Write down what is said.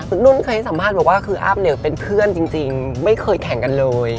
คุณนุ่นเคยให้สัมภาษณ์บอกว่าคืออ้ำเนี่ยเป็นเพื่อนจริงไม่เคยแข่งกันเลย